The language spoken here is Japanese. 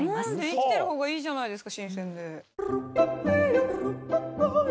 生きてるほうがいいじゃないですか新鮮で。